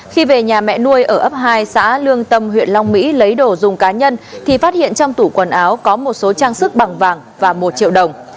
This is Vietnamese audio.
khi về nhà mẹ nuôi ở ấp hai xã lương tâm huyện long mỹ lấy đồ dùng cá nhân thì phát hiện trong tủ quần áo có một số trang sức bằng vàng và một triệu đồng